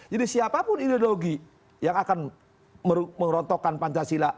jadi siapapun ideologi yang akan merotokkan pancasila